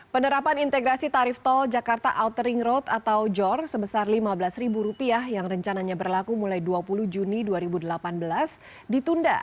penerapan integrasi tarif tol jakarta outering road atau jor sebesar rp lima belas yang rencananya berlaku mulai dua puluh juni dua ribu delapan belas ditunda